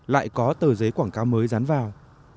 lại có tờ giấy quảng cáo mới rán vào